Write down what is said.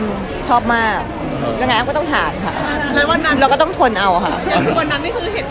อย่างที่บนนั้นนี่คือเหตุการณ์อะไรยังไงครับอ้าม